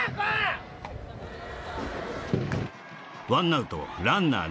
１アウトランナー